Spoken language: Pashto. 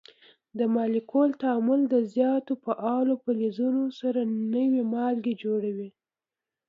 د مالګو تعامل د زیاتو فعالو فلزونو سره نوي مالګې جوړوي.